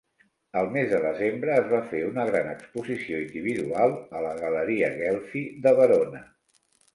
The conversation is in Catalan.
Al mes de desembre, es va fer una gran exposició individual a la Galleria Ghelfi de Verona.